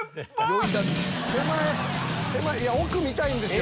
奥見たいんですよ。